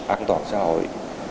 an toàn xã hội